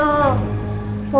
mau kabur kemana lagi kau